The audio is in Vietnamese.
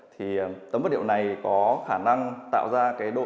thì tấm vật liệu này có khả năng tạo ra cái độ